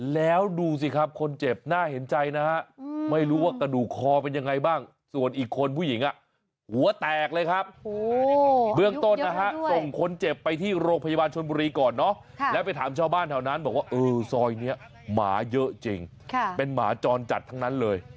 เราน้านบอกว่าเออซอยเนี้ยหมาเยอะจริงเป็นหมาจรจัดทั้งนั้นเลย